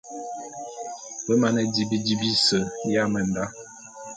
Be mane di bidi bise ya menda.